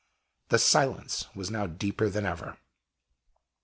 The silence was now deeper than ever.